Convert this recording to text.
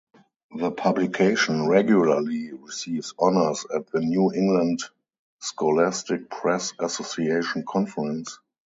The publication regularly receives honors at the New England Scholastic Press Association conference.